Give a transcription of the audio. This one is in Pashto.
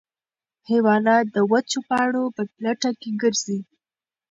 حیوانات د وچو پاڼو په لټه کې ګرځي.